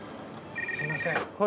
すいません